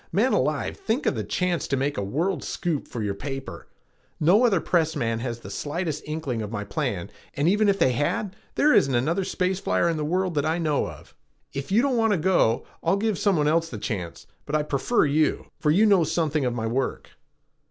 "Man alive, think of the chance to make a world scoop for your paper! No other press man has the slightest inkling of my plan and even if they had, there isn't another space flyer in the world that I know of. If you don't want to go, I'll give some one else the chance, but I prefer you, for you know something of my work."